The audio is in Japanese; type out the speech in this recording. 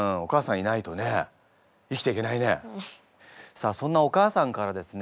さあそんなお母さんからですね